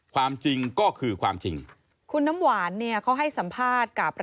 ความจริงก็คือความจริงคุณน้ำหวานเนี่ยเขาให้สัมภาษณ์กับ